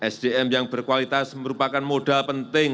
sdm yang berkualitas merupakan modal penting